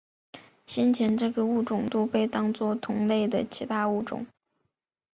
先前这个物种都被当作同属的其他物种。